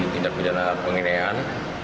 pindah kejanaan penginean